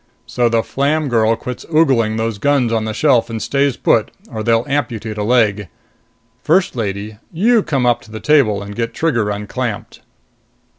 "So the Flam girl quits ogling those guns on the shelf and stays put, or they'll amputate a leg. First Lady, you come up to the table and get Trigger unclamped."